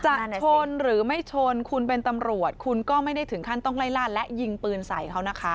จะชนหรือไม่ชนคุณเป็นตำรวจคุณก็ไม่ได้ถึงขั้นต้องไล่ล่าและยิงปืนใส่เขานะคะ